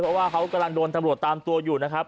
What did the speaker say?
เพราะว่าเขากำลังโดนตำรวจตามตัวอยู่นะครับ